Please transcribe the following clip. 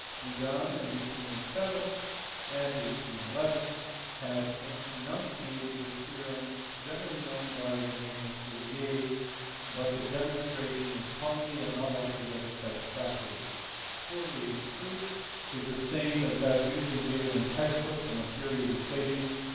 Budan, in 1807 SADI CARNOT. POISSON. 439 and 1811, had enunciated the theorem generally known by the name of Fourier, but the demonstration was clumsy and not altogether satisfactory. Fourier s proof is the same as that usually given in text books on the theory of equations.